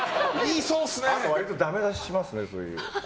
あとダメ出ししますね。